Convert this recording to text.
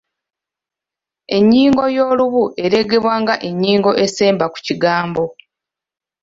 ennyingo y’olubu ereegebwa nga ennyingo esemba ku kigambo